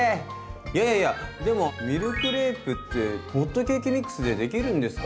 やややでもミルクレープってホットケーキミックスでできるんですか？